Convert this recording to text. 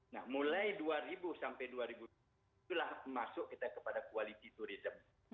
nah mulai dua ribu sampai dua ribu itulah masuk kita kepada quality tourism